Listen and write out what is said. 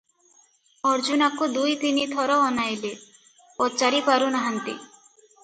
ଅର୍ଜୁନାକୁ ଦୁଇ ତିନି ଥର ଅନାଇଲେ, ପଚାରି ପାରୁ ନାହାନ୍ତି ।